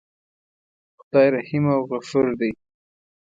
خدای رحیم او غفور دی.